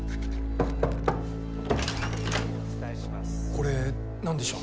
これ何でしょう？